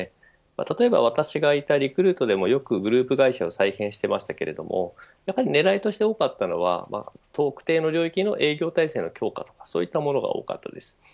例えば私がいたリクルートでもよくグループ会社を再編していましたが狙いとして多かったのは特定の領域の営業体制の強化とかそういうものが多かったです。